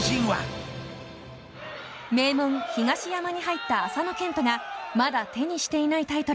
名門、東山に入った麻野堅斗がまだ手にしていないタイトル